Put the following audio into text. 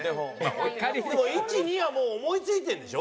１２はもう思いついてるんでしょ？